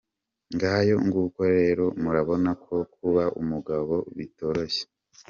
Ngayo nguko rero murabona ko kuba umugabo bitoroshye.